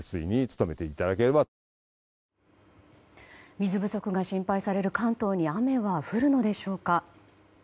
水不足が心配される関東に雨は降るのでしょうか。